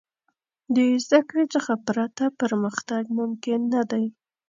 د زدهکړې څخه پرته، پرمختګ ممکن نه دی.